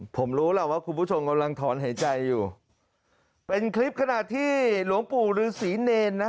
ผมรู้ล่ะว่าคุณผู้ชมกำลังถอนหายใจอยู่เป็นคลิปขณะที่หลวงปู่ฤษีเนรนะ